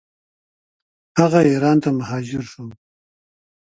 هغه ایران ته مهاجر شو.